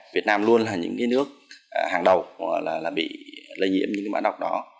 việt nam luôn là những nước hàng đầu bị lây nhiễm những mã đọc đó